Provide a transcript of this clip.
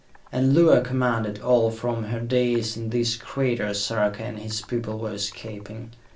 And Luar commanded all from her dais in this crater Sarka and his people were escaping.